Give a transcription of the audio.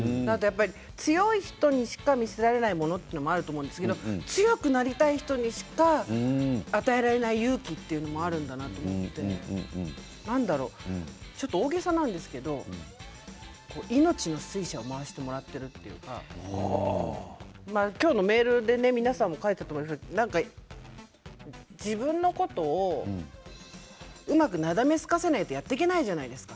強い人にしか見せられないものもあると思うんですけれど強くなりたい人にしか与えられない勇気というのもあるんだなと思ってちょっと大げさなんですけど命の水車を回してもらっているというか今日もメールで皆さん書いていますけれども自分のことをうまくなだめすかさないとやっていけないじゃないですか。